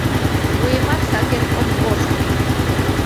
Вуемат сакен ом кошт.